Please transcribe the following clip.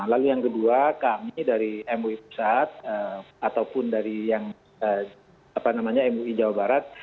lalu yang kedua kami dari mui pusat ataupun dari yang mui jawa barat